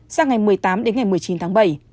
sang ngày một mươi tám đến ngày một mươi chín tháng bảy